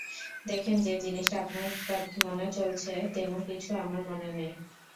দেখেন, যে জিনিসটা আপনার মনে চলছে তেমন কিছু আমার মনে নেই।